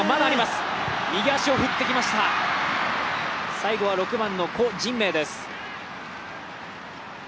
最後は６番のコ・ジンメイです。